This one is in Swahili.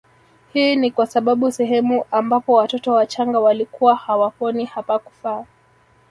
Hii ni kwa sababu sehemu ambapo watoto wachanga walikuwa hawaponi hapakufaa